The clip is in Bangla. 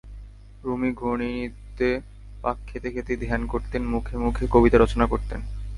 রুমি ঘূর্ণিনৃত্যে পাক খেতে খেতেই ধ্যান করতেন, মুখে মুখে কবিতা রচনা করতেন।